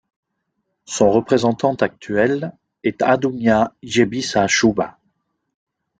Son représentant actuel est Adugna Jebisa Shuba.